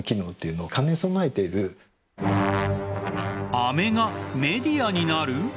飴がメディアになる？